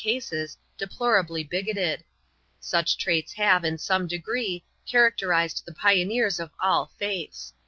cases, deplorably bigoted : such traits have, in some degree, characterized the pioneers of all faiths.